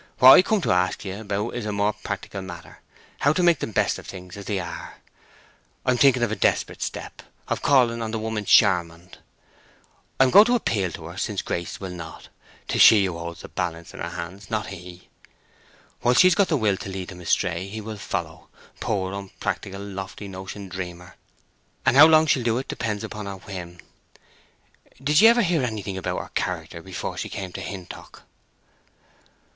What I come to ask you about is a more practical matter—how to make the best of things as they are. I am thinking of a desperate step—of calling on the woman Charmond. I am going to appeal to her, since Grace will not. 'Tis she who holds the balance in her hands—not he. While she's got the will to lead him astray he will follow—poor, unpractical, lofty notioned dreamer—and how long she'll do it depends upon her whim. Did ye ever hear anything about her character before she came to Hintock?"